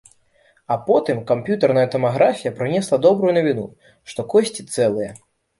А потым камп'ютарная тамаграфія прынесла добрую навіну, што косці цэлыя.